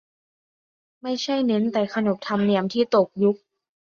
ไม่ใช่เน้นแต่ขนบธรรมเนียม ที่ตกยุค